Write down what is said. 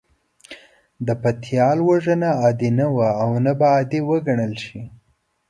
د پتيال وژنه عادي نه وه او نه به عادي وګڼل شي.